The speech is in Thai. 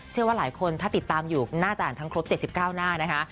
เชื่อว่าหลายคนถ้าติดตามอยู่น่าจะอ่านทั้งครบ๗๙หน้านะคะ